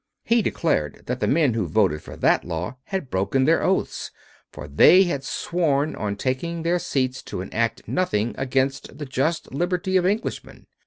He declared that the men who voted for that law had broken their oaths, for they had sworn on taking their seats to enact nothing against the just liberty of Englishmen.